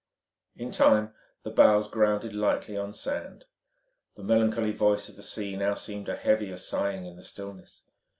In time the bows grounded lightly on sand. The melancholy voice of the sea now seemed a heavier sighing in the stillness.